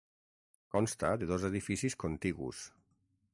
Consta de dos edificis contigus.